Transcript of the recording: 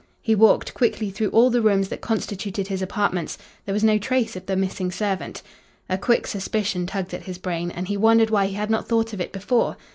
He walked quickly through all the rooms that constituted his apartments. There was no trace of the missing servant. A quick suspicion tugged at his brain, and he wondered why he had not thought of it before.